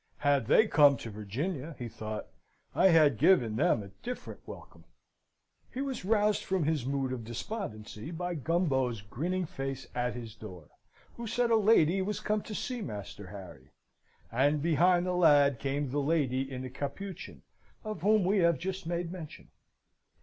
"Had they come to Virginia," he thought, "I had given them a different welcome!" He was roused from this mood of despondency by Gumbo's grinning face at his door, who said a lady was come to see Master Harry, and behind the lad came the lady in the capuchin, of whom we have just made mention.